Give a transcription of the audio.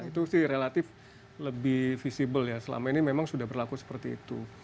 itu sih relatif lebih visible ya selama ini memang sudah berlaku seperti itu